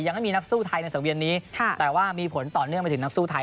ยังไม่มีนักสู้ไทยในสังเวียนนี้แต่ว่ามีผลต่อเนื่องไปถึงนักสู้ไทย